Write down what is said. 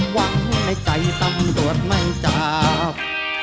หวังในใจตำรวจไม่จับ